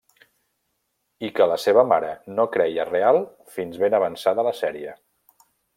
I que la seva mare no creia real fins ben avançada la sèrie.